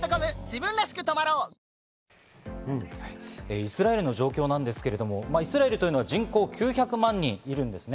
イスラエルの状況なんですけれども、イスラエルというのは人口９００万人いるんですね。